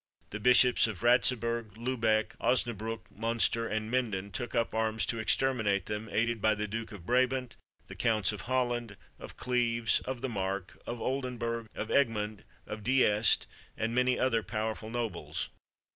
The Bishops of Ratzebourg, Lubeck, Osnabrück, Munster, and Minden took up arms to exterminate them, aided by the Duke of Brabant, the Counts of Holland, of Clêves, of the Mark, of Oldenburg, of Egmond, of Diest, and many other powerful nobles.